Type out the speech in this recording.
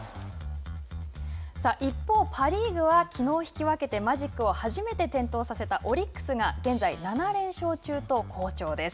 一方、パ・リーグはきのう引き分けてマジックを初めて点灯させたオリックスが現在７連勝中と好調です。